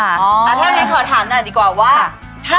ถ้าอย่างนี้ขอถามหน่อยดีกว่าว่า